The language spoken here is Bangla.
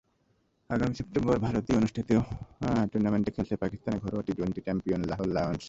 আগামী সেপ্টেম্বরে ভারতে অনুষ্ঠেয় টুর্নামেন্টে খেলছে পাকিস্তানের ঘরোয়া টি-টোয়েন্টি চ্যাম্পিয়ন লাহোর লায়নস।